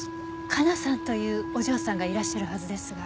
加奈さんというお嬢さんがいらっしゃるはずですが。